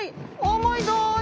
重いぞい。